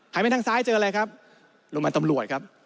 ไปทางซ้ายเจออะไรครับโรงพยาบาลตำรวจครับ